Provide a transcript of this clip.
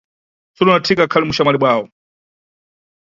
Sulo na Thika ukhali buxamwali bwawo.